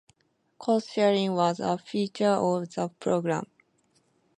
Cost sharing was a feature of the program.